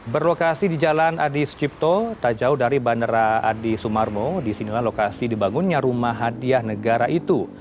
berlokasi di jalan adi sucipto tak jauh dari bandara adi sumarmo disinilah lokasi dibangunnya rumah hadiah negara itu